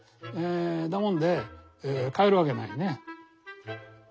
だもんで買えるわけないね。